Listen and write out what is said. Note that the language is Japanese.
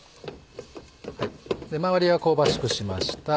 周りは香ばしくしました。